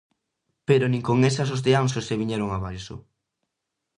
Pero nin con esas os de Anxo se viñeron abaixo.